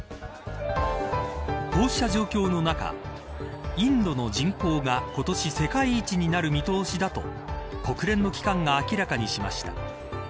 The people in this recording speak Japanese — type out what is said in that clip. こうした状況の中インドの人口が今年、世界一になる見通しだと国連の機関が明らかにしました。